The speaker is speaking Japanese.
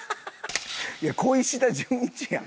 いや小石田純一やん